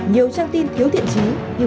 nhiều trang tin thiếu thiện chí như